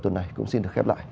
tuần này cũng xin được khép lại